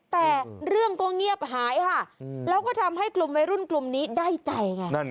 แต่เรื่องก็เงียบหายค่ะแล้วก็ทำให้กลุ่มวัยรุ่นกลุ่มนี้ได้ใจไง